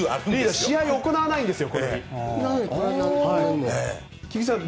試合を行わないんですよ